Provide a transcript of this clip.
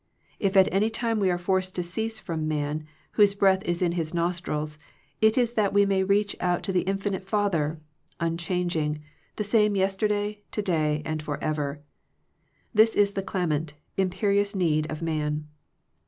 If at any time we are forced to cease from man, whose breath is in his nostrils, it is that we may reach out to the infinite Father, unchang ing, the same yesterday, to day, and for ever. This is the clamant, imperious need of man.